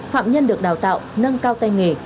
phạm nhân được đào tạo nâng cao tay nghề